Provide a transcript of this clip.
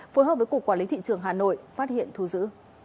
phối hợp với cục quản lý thị trường hà nội phát hiện thù dữ